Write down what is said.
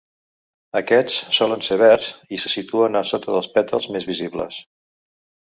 Aquests solen ser verds i se situen a sota dels pètals, més visibles.